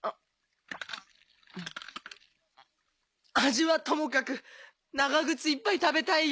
味はともかく長靴いっぱい食べたいよ。